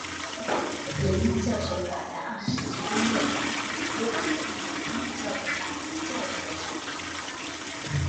铃木教学法在二十世纪中叶开发与推广的一种音乐教学法及教育哲学。